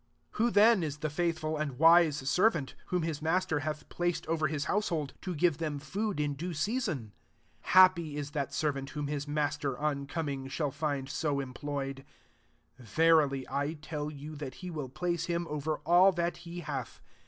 45 " Who then is the faith ful and wise servant, whom his master hath placed over his household, to give them food in due season ? 46 Happy f> that sei*vant whom his master, on coming, shall find so employ ed. 47 Verily I tell you, that he will place him over all that he hath.